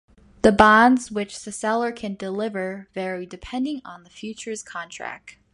The bonds which the seller can deliver vary depending on the futures contract.